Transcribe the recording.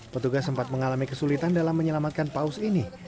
petugas sempat mengalami kesulitan dalam menyelamatkan paus ini